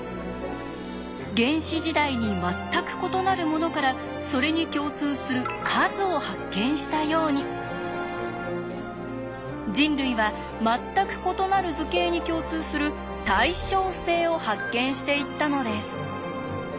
原始時代に全く異なるものからそれに共通する「数」を発見したように人類は全く異なる図形に共通する「対称性」を発見していったのです。